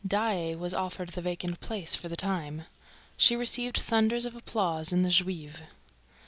Daae was offered the vacant place for the time. She received thunders of applause in the Juive.